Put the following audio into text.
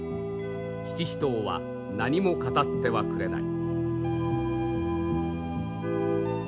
七支刀は何も語ってはくれない。